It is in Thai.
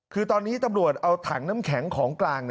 คือตอนนี้ตำรวจเอาถังน้ำแข็งของกลาง